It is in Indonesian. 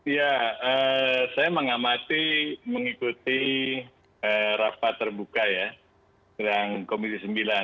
ya saya mengamati mengikuti rapat terbuka ya dengan komisi sembilan